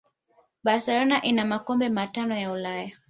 barcelona ina makombe matano ya ulaya